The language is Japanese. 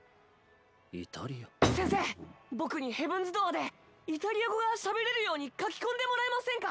先生ぼくに「ヘブンズ・ドアー」でイタリア語がしゃべれるように書き込んでもらえませんか？